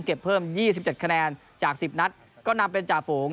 เก็บเพิ่มยี่สิบเจ็ดคะแนนจากสิบนัดก็นำเป็นจ่าฝูง